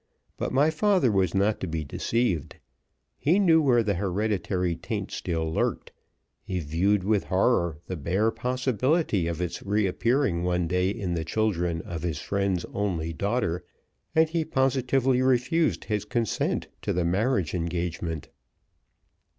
But my father was not to be deceived. He knew where the hereditary taint still lurked; he viewed with horror the bare possibility of its reappearing one day in the children of his friend's only daughter; and he positively refused his consent to the marriage engagement.